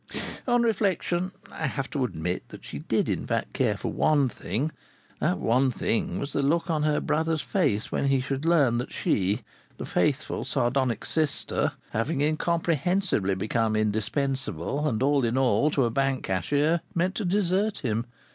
On reflection, I have to admit that she did in fact care for one thing. That one thing was the look on her brother's face when he should learn that she, the faithful sardonic sister, having incomprehensibly become indispensable and all in all to a bank cashier, meant to desert him.